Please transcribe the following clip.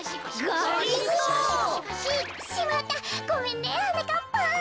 ごめんねはなかっぱん。